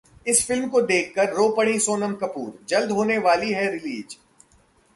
इस फिल्म को देखकर रो पड़ीं सोनम कपूर, जल्द होने वाली है रिलीज